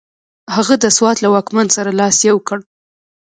هغه د سوات له واکمن سره لاس یو کړ.